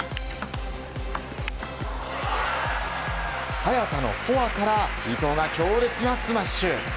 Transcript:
早田のフォアから伊藤が強烈なスマッシュ。